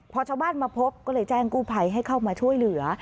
พอชาวบ้านมาพบก็เลยแจ้งกู้ภัยให้เข้ามาช่วยเหลือ